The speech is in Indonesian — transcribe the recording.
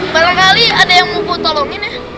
barangkali ada yang mau gue tolongin ya